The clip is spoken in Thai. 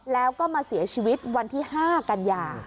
แล้วก็มาเสียชีวิตวันที่๕กันยา